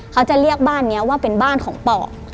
เขาจะเรียกบ้านนี้ว่าเป็นบ้านของปอก